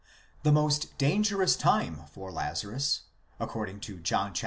The most dangerous time for Lazarus according to John xii.